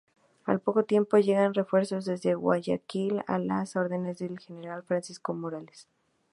Al poco tiempo, llegan refuerzos desde Guayaquil a las órdenes del General Francisco Morales.